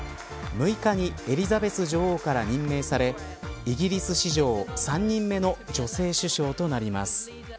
６日にエリザベス女王から任命されイギリス史上、３人目の女性首相となります。